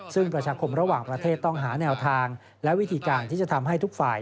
ซึ่งประชาคมระหว่างประเทศต้องหาแนวทางและวิธีการที่จะทำให้ทุกฝ่าย